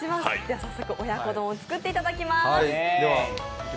早速、親子丼を作っていただきます。